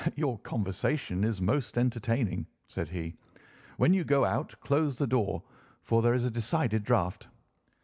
"Your conversation is most entertaining," said he. "When you go out close the door, for there is a decided draught."